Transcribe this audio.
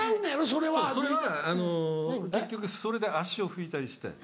それは結局それで足を拭いたりして。